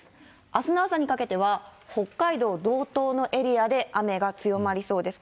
あすの朝にかけては、北海道道東のエリアで雨が強まりそうです。